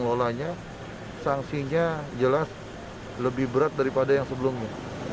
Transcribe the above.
ola nya sanksinya jelas lebih berat daripada yang sebelumnya